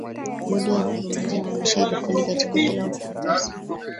bodi ya wakurugenzi inaonesha rekodi katika kila ukurasa